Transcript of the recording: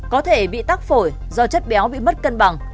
có thể bị tắc phổi do chất béo bị mất cân bằng